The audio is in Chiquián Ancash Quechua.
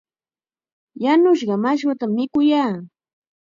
Yanushqa mashwatam mikuyaa.